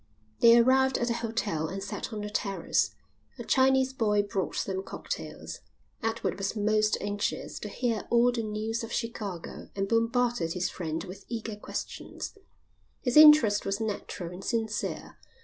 They arrived at the hotel and sat on the terrace. A Chinese boy brought them cocktails. Edward was most anxious to hear all the news of Chicago and bombarded his friend with eager questions. His interest was natural and sincere.